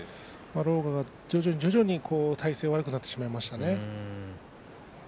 狼雅、徐々に体勢が悪くなってしまいましたね。